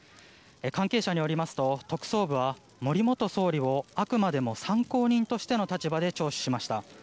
関係者によりますと特捜部は森元総理をあくまでも参考人としての立場で聴取しました。